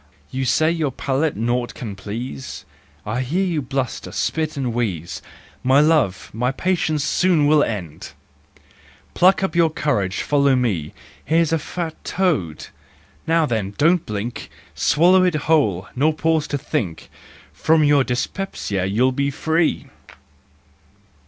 You say your palate naught can please, I hear you bluster, spit and wheeze, My love, my patience soon will end ! Pluck up your courage, follow me— Here's a fat toad ! Now then, don't blink, Swallow it whole, nor pause to think ! From your dyspepsia you'll be free!